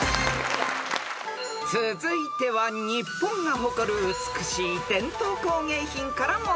［続いては日本が誇る美しい伝統工芸品から問題］